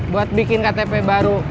buat bikin ktp baru